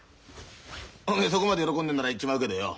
そこまで喜んでんなら言っちまうけどよ